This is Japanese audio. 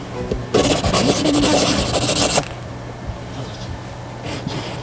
実験してみました。